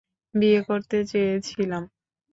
বিয়ে করতে চেয়েছিলাম।